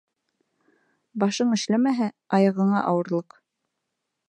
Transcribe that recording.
Башың эшләмәһә, аяғыңа ауырлыҡ.